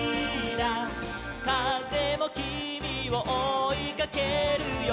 「かぜもきみをおいかけるよ」